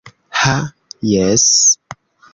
Ha jes!